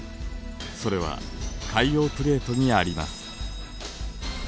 それは海洋プレートにあります。